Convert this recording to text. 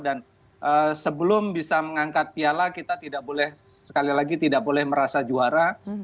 dan sebelum bisa mengangkat piala kita tidak boleh sekali lagi tidak boleh merasa juara